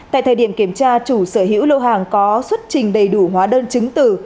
tại thời điểm kiểm tra chủ sở hữu lô hàng có xuất trình đầy đủ hóa đơn chứng từ